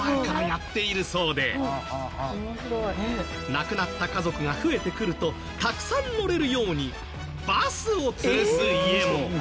亡くなった家族が増えてくるとたくさん乗れるようにバスを吊るす家も。